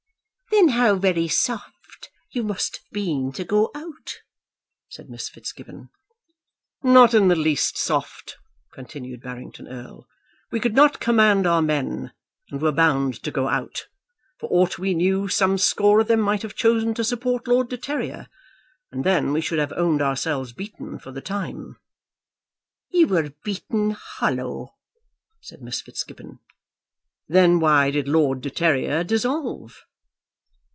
"Then how very soft you must have been to go out," said Miss Fitzgibbon. "Not in the least soft," continued Barrington Erle. "We could not command our men, and were bound to go out. For aught we knew, some score of them might have chosen to support Lord de Terrier, and then we should have owned ourselves beaten for the time." "You were beaten, hollow," said Miss Fitzgibbon. "Then why did Lord de Terrier dissolve?"